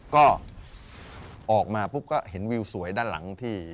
ก็ออกมาปุ๊บก็เห็นวิวสวยด้านหลังที่